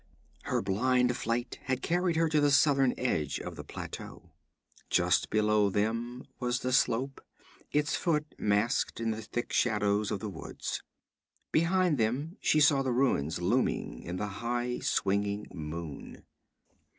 Her blind flight had carried her to the southern edge of the plateau. Just below them was the slope, its foot masked in the thick shadows of the woods. Behind them she saw the ruins looming in the high swinging moon.